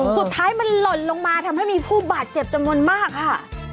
สุดท้ายมันหล่นลงมาทำให้มีผู้บาดเจ็บจำนวนมากค่ะ